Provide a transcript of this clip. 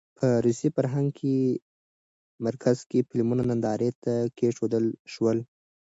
په روسي فرهنګي مرکز کې فلمونه نندارې ته کېښودل شول.